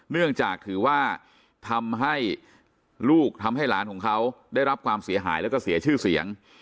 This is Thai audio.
เนื่องจากถือว่าทำให้ลูกทำให้หลานของเขาได้รับความเสียหายแล้วก็เสียชื่อเสียง